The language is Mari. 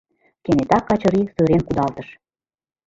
Кенета Качырий сырен кудалтыш.